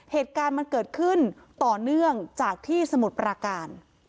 เหตุการณ์มันเกิดขึ้นต่อเนื่องจากที่สมุทรปราการ